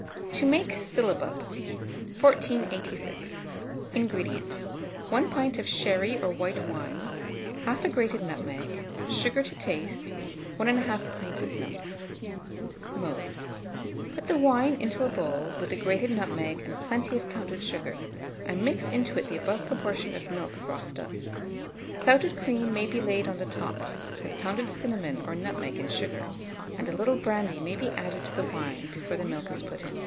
TO MAKE SYLLABUB. 1486. INGREDIENTS. 1 pint of sherry or white wine, 1/2 grated nutmeg, sugar to taste, 1 1/2 pint of milk. Mode. Put the wine into a bowl, with the grated nutmeg and plenty of pounded sugar, and milk into it the above proportion of milk frothed up. Clouted cream may be laid on the top, with pounded cinnamon or nutmeg and sugar; and a little brandy may be added to the wine before the milk is put in.